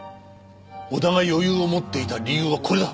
小田が余裕を持っていた理由はこれだ。